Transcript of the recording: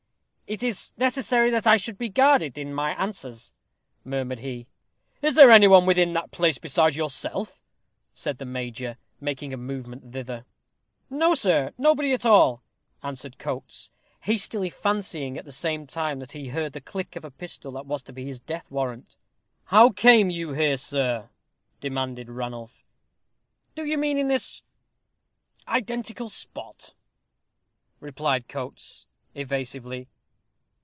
"It is necessary that I should be guarded in my answers," murmured he. "Is there any one within that place besides yourself?" said the major, making a movement thither. "No, sir, nobody at all," answered Coates, hastily, fancying at the same time that he heard the click of the pistol that was to be his death warrant. "How came you here, sir?" demanded Ranulph. "Do you mean in this identical spot?" replied Coates, evasively.